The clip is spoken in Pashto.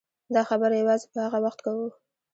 دا خبره یوازې په هغه وخت کوو.